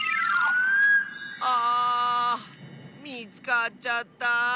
あみつかっちゃった！